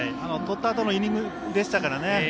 取ったあとのイニングでしたからね。